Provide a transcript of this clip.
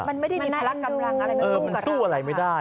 มันไม่ได้มีพลักกำลังอะไรมันสู้กับเรา